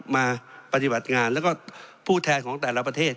มาปฏิบัติงานแล้วก็ผู้แทนของแต่ละประเทศ